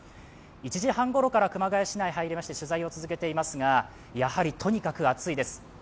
１時半ごろから熊谷市内に入りまして取材を続けていますが、とにかく暑いです。